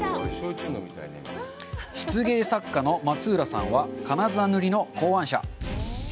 漆芸作家の松浦さんは金沢塗りの考案者。